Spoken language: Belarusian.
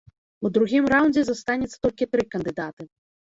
У другім раўндзе застанецца толькі тры кандыдаты.